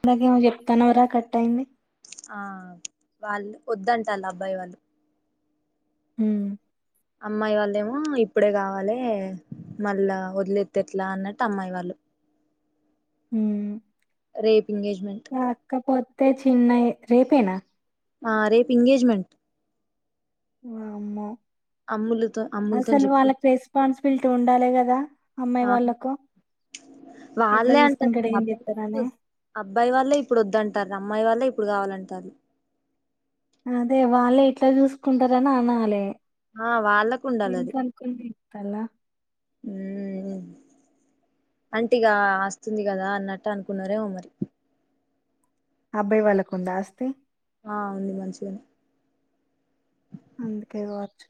ఇందకేమో చెప్తానవ్రా కట్ అయింది ఆ వాళ్ళు వద్దంట వాళ్ళ అబ్బాయి వాళ్ళు మ్మ్ అమ్మాయి వాళ్ళేమో ఇప్పుడే కావాలి మళ్ళా వదిలేెత్తేట్లా అన్నట్టు అమ్మాయి వాళ్ళు మ్మ్ రేపు ఎంగేజ్మెంట్ రేప్ చిన్నై రేపేనా ఆ రేపు ఎంగేజ్మెంట్ వామ్మో అమ్ములతో అమ్ములతో అసలు చెప్పి వాళ్ళకి రెస్పాన్సిబిలిటీ ఉండాలే కదా అమ్మాయి ఆ వాళ్ళకు ఎట్లా వాళ్ళే అంటారు చూసుకుంటాడు ఏం అబ్బాయి వాళ్ళ చేస్తారని అబ్బాయి వాళ్ళే ఇప్పుడు వద్దంటారు అమ్మాయి వాళ్ళే ఇప్ ఇప్పుడు కావాలంటారు అదే వాళ్ళే ఎట్లా చూసుకుంటారని అనాలె ఆ వాళ్ళకు ఉండాలి ఎంతనుకు ఇతలా మ్మ్ అంటిగా ఆస్తుంది కదా అన్నట్టు అనుకున్నారేమో మరి అబ్బాయి వాళ్ళకు ఉందా ఆస్తి ఆ ఉంది మంచిగనే అందుకే కాచ్చు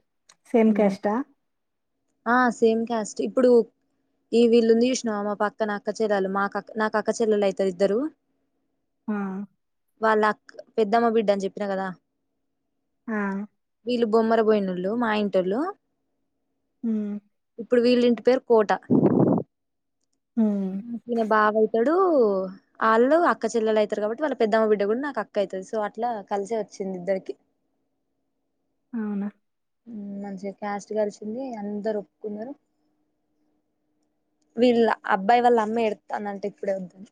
సేమ్ క్యాస్టా ఆ సేమ్ క్యాస్ట్ ఏ ఇప్పుడు ఈ వీళ్ళు ఉంది చూసినవా మా పక్క నా అక్క చెల్లలు మా నా అక్క చెల్లలు అయితారు ఇద్దరు ఆ వాళ్ళ అక్ పెద్దమ్మ బిడ్డ అని చెప్పిన కదా ఆ వీళ్ళు బొమ్మర పోయినోళ్ళు మా ఇంటోళ్ళు మ్మ్ ఇప్పుడు వీళ్ళంటి పేరు కోట ఉమ్ మ్ బాబా అయ్ వాళ్ళు అక్క చెల్లలు అయితారు కాబట్టి వాళ్ళ పెద్దమ్మ బిడ్డ కూడా నాకు అక్క అయితది, సో అట్లా కలిసే వచ్చింది ఇద్దరికి అవునా మంచిగా క్యాస్ట్ కలిసింది అందరు ఒప్పుకున్నారు వీళ్ళ అబ్బాయి వాళ్ళ అమ్మ ఎడతాన అంటే ఇప్పుడే ఉంటాంది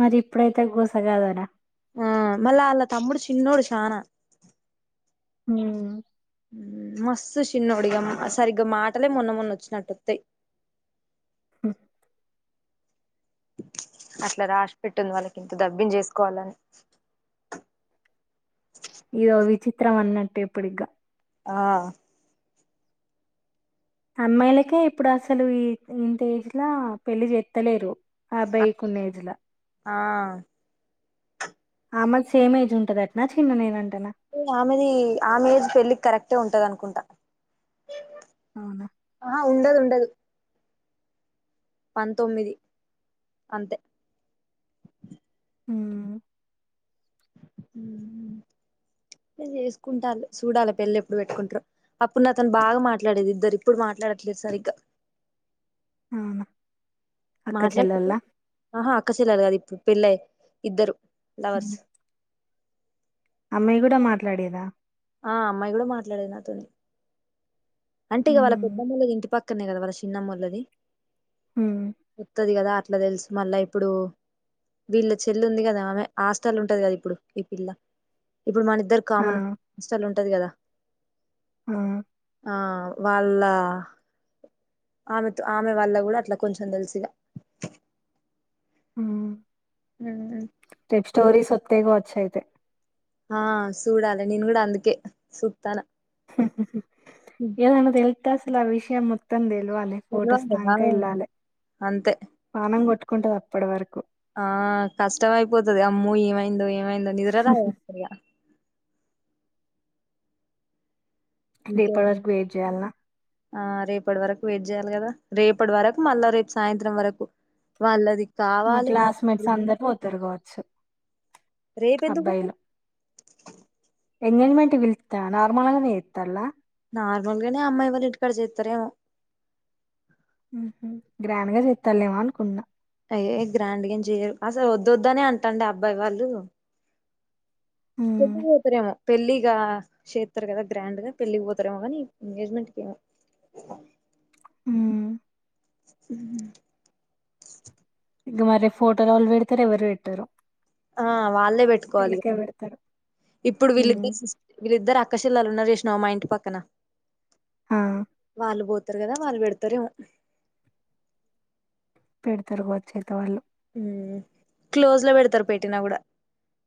మరి ఇప్పుడైతే గుసగాదనా ఆ మళ్ళా అళ్ళ తమ్ముడు చిన్నోడు చానా మ్ మస్తు చిన్నోడిగామ్మ సరిగ్గా మాటలే మొన్న మొన్న వచ్చినట్ వస్తాయి అట్లా రాసి పెట్టింది వాళ్ళకి ఇంత దబ్బిం చేసుకోవాలని ఇదో విచిత్రం అన్నట్టు ఇప్పుటిగా ఆ అమ్మాయిలకే ఇప్పుడు అసలు ఈ ఇంత ఏజ్లా పెళ్లి చెత్తలేరు ఆ బైకునేజలా ఆ ఆమ సేమ్ ఏజ్ ఉంటుంది అటనా చిన్న నేన ఆమెది ఆమె ఏజ్ పెళ్ళికి కరెక్ట్ అట్టే ఉంటదనుకుంట అవునా ఆ ఉండదు ఉ డదు పంతొమ్మిది అంతే మ్ చేసుకుంటారు చూడాలి పెళ్ళి ఎప్పుడు పెట్టుకుంటారు, అప్పుడు నా అతను బాగా మాట్లాడేది ఇద్దరు ఇప్పుడు మాట్లాడట్లేదు సరిగ్గా అవును మాట్లాడుతారు ఆహా అక్క చెల్లాలి అది ఇప్పుడు పెళ్ళయి ఇద్దరు లవర్స్ అమ్మాయి కూడా మాట్లాడేదా ఆ అమ్మాయి కూడా మాట్లాడేది నాతోని అంటే ఇకవాళ్ళ ఉమ్ పెద్దమ్మెళ్లది ఇంటి పక్ క్కనే కదా వాళ్ళ చిన్నమ్మెల్లది ఉమ్ ఉత్తదికదా అట్ ఇట్లా దెల్సు మళ్ళా ఇప్పుడు వీళ్ళ చెల్లు ఉంది. కదా ఆమె హాస్టల్ ఉంటది. కద ఇప్పుడు ఈ పిల్ల ఇప్పుడు మన ఇద్దరు ఆ కామన్ హ్ స్టల్ ఉంటది కదా ఆ ఆ వాళ్ళ ఆమెతో ఆమె వాళ్ళ కూడా అట్లా కొంచెం తెలిసిగా ఉహ్ ఉహ్ స్టోరీస్ వస్తాయ్ కావచ్చు అయితే ఆ చూడాలి నేను కూడా అందుకే సూతానా ఉహుహు ఏం అన్నది వె అస్సలు ఆ విషయం మత్తందే తెల్వాలి ఫోటోస్ తెలవలేదా తక ఇల్లాలి అంతే పనం కుంటుంది అప్పటి వరకు ఆ కష్టమ అయిపోతుది అమ్మ ఏమైందో ఏ నిద్రదా వస్తయా ఇంకే రేపటి వరకు వెయిట్ చేయ్యాలినా ఆ రేపటి వరకు వెయిట్ చేయాలి కదా రేపటి వరకు మళ్ళా రేపు సాయంత్రం వరకు మళ్ళది మ క్లాస్మేట్స్ అందరు పోతారు గో చ్చ రేపు ఎందుకు ఎంగేజ్మెంట్ విళ్త నార్మల్ గానే చేతల నార్మల్గానే అమ్మాయి ఎవరు ఇట్టుకాడ చెతారేమో గ్రాండ్ గా చెస్తాాలేమో అనుకునా అయ గ్రాండ్గాం చేయ్యరు అసలు వద్దొద్దనే అంటండి అబ్బాయి వాళ్ళు తు పోతార పెళ్లిిగా చేతారు కదా గ్రాండ్ గా పెళ్లిి పోతారేమో కానీ ఎంగేజ్మెంట్కి ఏమ ఉమ్ ఉహ్ ఇంక మరి ఫోటోలో వాళ్ళు పెడతేారు ఎవరు పెట్టారు ఆ వాళ్ళే పెట్టుకోవాలి పెడతారు ఇప్పుడు ఉమ్ వీళ్ళిద్దరు వీళ్ళిద్దరు అక్కసిల్లలు ఉన్నారు ఇ స్నోమాయింట్ పక్కన ఆ వాళ్ళ పోతు పెతారు కదా వాళ్ళు పెడతారు తిరగవచ్చ చేత వాళ్ళు క్లోజ్ లో పెడతారు పెట్టినా కూడా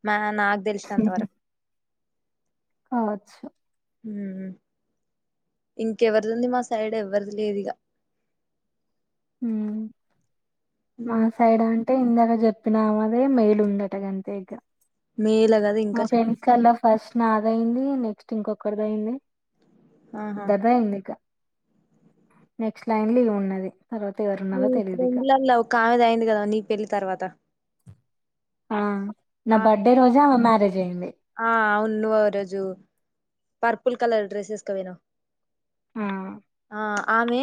మ నాకు తెలిసిన అంతవరకు అచ్చా ఇంకెవరిది ఉంది మా సైడ్ ఎవ్వరిది లేదుగా మా సైడ్ అంట అంటే ఇందాక చెప్పినామదే మెలు ఉందట గంతగ్గ మేల కదా మా ఇంకా ఫ్రెండ్స్ కల్లా ఫస్ట్ నాదయింది. నెక్ క్స్ట్ఇంకొకరిది అయింది ఆహా దగా ఎన్నిక నెక్స్ట్ లైన్ లిలో ఉన్నది తర్వాత నీ ఎవరున్నారో తెలియదు ఇక ఫ్రెండ్లల ఒక ఆమెది అయింది కదా నీ పెళ్లి తర్వాత ఆ నా ఆ బర్త్డే రోజా మ్యారేజ్ జేయండి ఆ అవున్ నువ్ ఆ రోజు పర్పుల్ కలర్ డ్రెస్స్ యేస్కవోయినవ్ ఆ ఆ ఆమే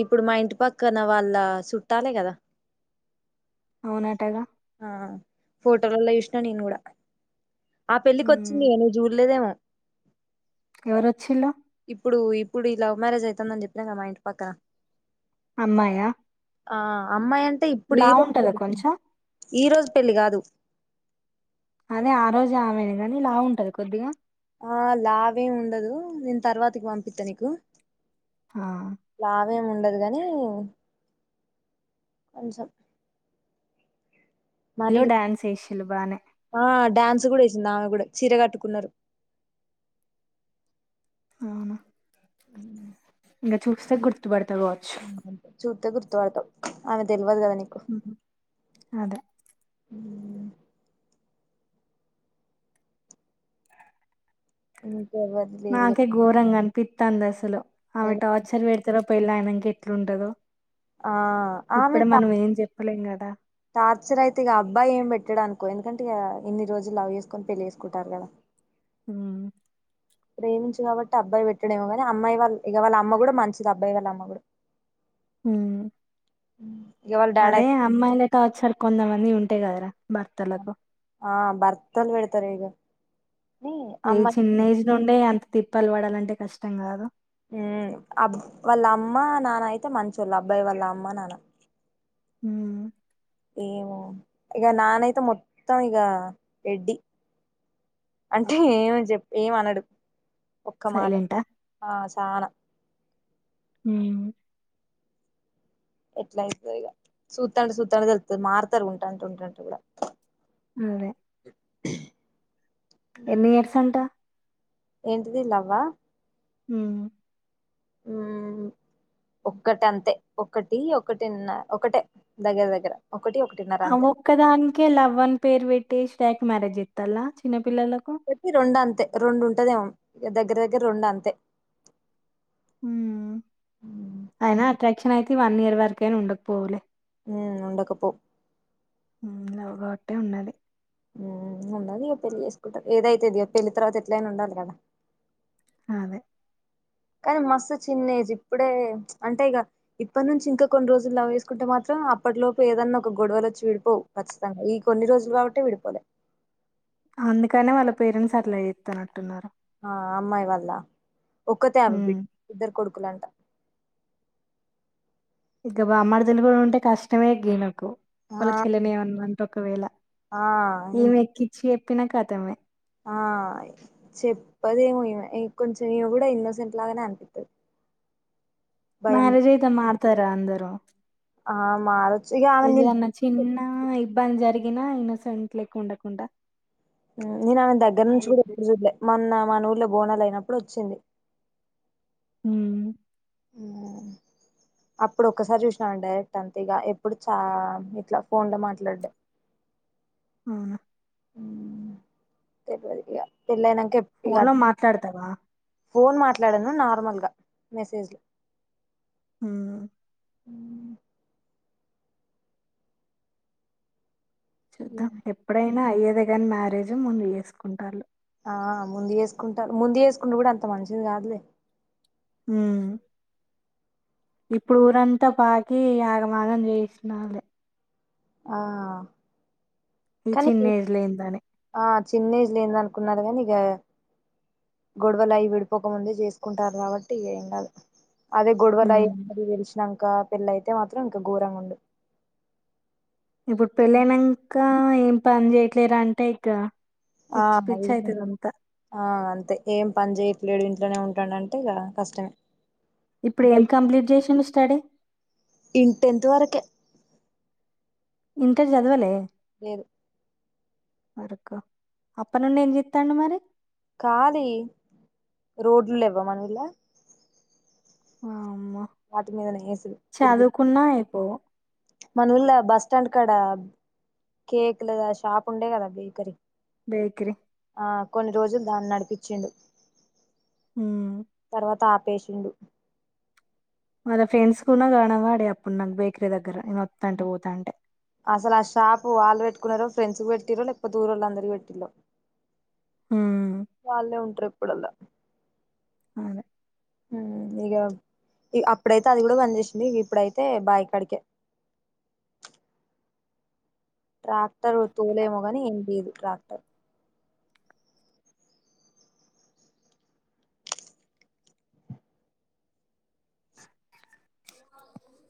ఇప్పుడు, మా ఇంటి పక్కన వాళ్ళ చుట్టాలే కదా అవునాటగా ఆ ఫోటోలలో చూసిన నేను కూడా ఆ పెళ్ళకి హ్మ్ వచ్చింది నువ్వు చూడలేదేమో ఎవరు వచ్చిళ్లు ఇప్పుడు ఇప్పుడు ఈ లవ్ మ్యారేజ్ అవుతుందని చెప్పినా కదమ్ మా ఇంటి పక్కన అమ్మాయా ఆ అమ్మా ఎం లా ఉంటందా కొంచెం ఈ రోజు పెళ్ళి కాదు అదే ఆ రోజు ఆమెను గాని లావ్ ఉంటది కొద్దిగా ఆ లావేం ఉండదు నేను తర్వాతకి పంపిస్తా నీకు ఆ అమేమి ఉండదు కానీ కొంచెం మరి ఇలు డాన్స్ ఏష్యలు బానే డ్యాన్స్ కూడా వేసింది ఆమె కూడా చీర కట్టుకున్నారు అవున ఇం చూసా గుర్తుపడ్ చు గుర్తు పడ్తావ్ అమె తెల్వదు కదండీ అదే మ్ మాకే గోరంగన్ పిత్తా దశలో ఆమె టార్చర్ బెడతార పెళ్ళి ఆయనక ఎట్లుండదో ఆ ఆమె త చెప్పలేం కదా టార్చర్ అయితే ఇక అబ్బాయి ఏం పెట్టడ అనుకో, ఎందుకంటే ఇక ఇన్ని రోజులు లవ్ చేసుకొని పెళ్ళి చేేసుకుంటారు కదా మ్ ప్రేమించు కాబట్టి అబ్బాయి పెట్టడేమో కానీ, అమ్మాయి వాళ్ళ ఇక వాళ్ళ అమ్మ కూడా మంచిది అబ్బాయి వాళ్ళ అమ్మ కూడా మ్ ఇక వాళ్ళ డాడీ అదే అమ్మాయిల టార్చెర్ కొందమంది ఉం అట్టే గార ఆ బర్ తల వెడతార ఇగ ఏ చిన్న ఏజ్ నుండే అంత తిప్ ప్పలు పడాలంటే కష్టం కాదు ఉ అబ్ వాళ్ళ అమ్మ నాన్న అయితే మంచిళ్ళు అబ్బాయి వాళ్ళ అమ్మ నాన్న మ్ ఏమో ఇక నానైతే మొత్తం ఇక రెడ్డి, అంటే ఏం చె ఏమ అనడు ఒక్క మాట సైలెంటా ఆ చనా హ్మ్ ఎట్లా అవుతదో ఇక చూతంటే చూతాంట తెలుతది మారుతారు ఉంటాంట ఉంటంట కూడా అదే ఎన్ని ఇయర్సాంటా ఏంటిది లవ్వా మ్ హమ్ ఒక్కటి అంతే ఒకటి ఒకటిన్న ఒకటే దగ్గర దగ్గర ఒకటి ఒకటిన్నర అ అంతే ఒక్కదానికే లవ్ అని పేరు పెట్టేసి టక్ మ్యారజ ఇ తలా చిన్నపిల్లలకు ఒకటి రెండు అంతే రెండు ఉంటదేమో దగ్గర దగ్గర రెండు అంతే ఊ ఐనా అట్ర్రాక్షనయితే వన్ ఇయర్ వరకయిన ఉండకపోవులే ఊ ఉండకపోవ్ ఊ లవ్ కాబట్టే ఉండాలి ఉండదిగ పెళ్ళిచేసుకుంటరు ఏదైతేందిగ పెళ్ళి తర్వాత ఎట్లనా ఉండాలెగదా అదే కానీ మస్తు చిన్నేజ్ ఇప్పుడే, అంటే ఇగ ఇప్ప న్నుంచి ఇంక కొన్ని రోజులు లవ్ చేసుకుంటే మాత్రం అప్పటిలోపు ఏదన్నా ఒక గొడవలు వచ్చి విడిపోవు ఖచ్చితంగా, ఈ కొన్ని రోజులు కాబట్టే విడిపోలే అందుకనే వాళ్ళ పేరెంట్స్ అట్ల చేతన్నట్టున్నరు ఆ అమ్మాయి వల్ల ఒక్కతే ఆమె హ్మ్. బిడ్ ఇద్దరు కొడుక్ కులాంట ఇగ బామ్మరుదులు గూడ ఉంటే కష్టమే గీమకు ఆ వాళ చెల్లనేవన్న అంట ఒకవేళ ఆ ఇం ఏమి ఎక్కిచ్చి ప్పినకతమే ఆ చెప్పదేమో ఇగ కొంచెం ఈమె కూడా ఇన్నోసెంట్ లాగానే అనిపిత్తది భయం మ్యారేజ్ అయితే మార్ తరా అందరు ఆ మారు ఎదన్న చిన్న ఇబ్బంది జరిగి గిన ఇన్నోసెంట్లెక్క ఉండకుండ నేను ఆమెను దగ్గర్నుంచి కుడ ఎప్పుడు జూల్లే మొన్న మన ఊరిలో బోనాలు అయినప్పుడు ఒచ్చింది మ్ అప్పుడు ఒక్కసారి చూసిన డైరెక్ట్ అంతే ఇగ ఎప్పుడు చ ఇట్ల ఫోన్ల మాట్లాడుడే అవునా పెళ్ళైనక్ ఫోన్ లో మాట్లాడతావా ఫోన్ మాట్లడను నార్మల్గ మెసేజ్లో మ్మ్ మ్మ్ చూద్దాం ఎప్పుడై [unintelligible] మ్యారేజ్ ముందు చేసుకుంటాల్లు ఆ ముందు చేసుకుంటాల్లు ముందు చేసుకున్న కూడా అంత మంచిది కాదులే మ్మ్ ఇప్పుడు ఊరంతా పాకి ఆగమాగం చేయిసినాలే ఆ ఈ కానీ చిన్న ఏజ్ లో అయ్యిందనే ఆ చిన్న ఏజ్ లో అయ్యింది అనుకుంటారు గనీ ఇక గొడవలు అవి విడిపోకముందే చేసుకుంటారు కాబట్టి ఏం గాదు అదే గొడవలు అయ్య ఉమ్ [inaudible] ఒక పెళ్ళయితే మాత్రం ఇంక ఘోరంగుండు ఇప్పుడు పెళ్ళయినంక ఇంకా ఏం పని చేయట్లేరా అంటే ఇకా ఆ ఆ అంతే ఏం పని చేయట్లేదు ఇ ఇంట్లోనే ఉంటాడు అంటే ఇక కష్టమే ఇప్పుడు ఏం కంప్లీట్ చేషిను క్కడే ఇ టెన్త్ వరకే ఇంటర్ చదవాలే లేదు వరకు అప్ప నుండి ఏం చెతాం మరి కాలి రోడ్లు లేవా మన ఊర్లో ఆ మ వాటి మీదనే వేసుడు చదువుకున్నా అయిపోవు మన ఊళ్ళ బస్ స్టాండ్ కడ కేక్ లేదా షాప్ ఉండే కదా బేకరీ బేకరి ఆ కొన్ని రోజులు దాన్ని నడిపించిండు ఉమ్ తర్వాత పెసిండు మన ఫ్రెండ్స్ కూడా గణవడే అప్పుడు నాకు బేక్రి దగ్గర నేను వత్తంటే పోతాంటే అసలు ఆ షాపు వాళ్ళు పెట్టుకున్నారు ఫ్రెండ్స్ కి పెట్టిండ్రో లేకపోతే దూరల్లో అందరికీ పెట్టిండ్రో హ్మ్. వాళ్ళే ఉంటారు ఇప్పుడల్ల అద ఆహ్ ఇగా ఇక అప్పుడైతే అది కూడా బంద చేసింది ఇ ఇప్పుడైతే బాయి కాడికే ట్రాక్టరు తోలేము కాని ఏం లేదు ట్రాక్టర్